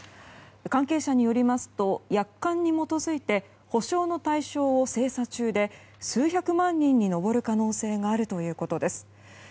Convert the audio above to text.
関係者によりますと約款に基づいて補償の対象を精査中で数百万人に上る可能性があるということです。